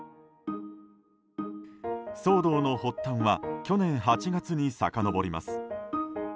騒動の発端は去年８月にさかのぼります。